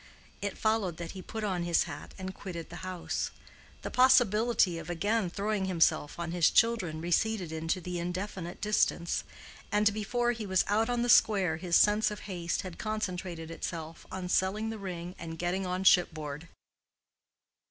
It followed that he put on his hat and quitted the house. The possibility of again throwing himself on his children receded into the indefinite distance, and before he was out on the square his sense of haste had concentrated itself on selling the ring and getting on shipboard.